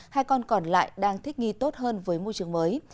hai con còn lại đang thích nghi tốt hơn với môi trường mới